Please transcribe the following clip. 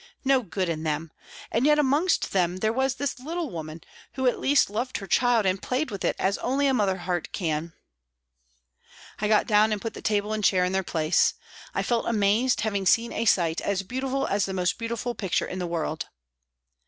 No good in them ! and yet amongst them there was this little woman who, at least, loved her child and played with it as only a mother heart can ! I got down and put the table and chair in their place ; I felt amazed, having seen a sight as beautiful as the most beautiful picture in the world.